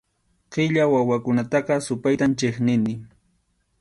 Qilla wawakunataqa supaytam chiqnini.